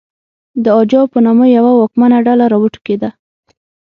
د اجاو په نامه یوه واکمنه ډله راوټوکېده